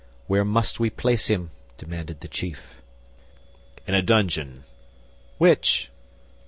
"Where must we place him?" demanded the chief. "In a dungeon." "Which?"